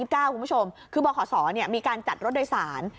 คุณผู้ชมคือบขศมีการจัดรถโดยสาร